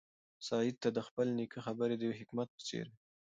سعید ته د خپل نیکه خبرې د یو حکمت په څېر وې.